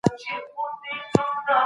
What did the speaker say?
ایا ځايي کروندګر چارمغز پروسس کوي؟